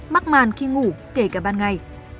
mắc màn khi ngủ kể cả ban ngày